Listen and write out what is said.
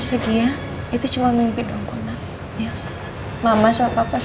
aku gak mau pisah sama mama sama papa